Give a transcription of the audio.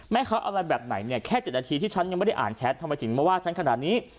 อะไรแบบไหนเนี่ยแค่๗นาทีที่ฉันยังไม่ได้อ่านแชททำไมถึงมาว่าฉันขนาดนี้